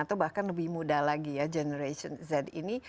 atau bahkan lebih muda lagi ya generation z ini